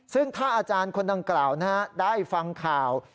ซึ่งถ้าอาจารย์คนดังกล่าวได้ฟังข่าว